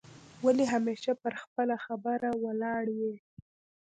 ولي همېشه پر خپله خبره ولاړ یې؟